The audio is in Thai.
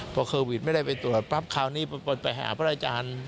พอโควิดไม่ได้ไปตรวจปั๊บคราวนี้ไปหาพระอาจารย์